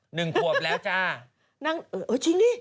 หนึ่งขวบแล้วจ้านั่งเออเออจริงดิ